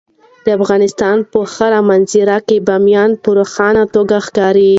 د افغانستان په هره منظره کې بامیان په روښانه توګه ښکاري.